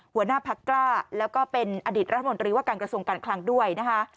หัวหน้าพักกล้าแล้วก็เป็นอดีตรัฐมนตรีว่าการกระทรวงการคลังด้วยนะคะ